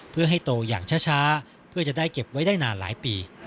เพื่อให้โตอย่างช้าเพื่อจะได้เก็บไว้ได้นานหลายปี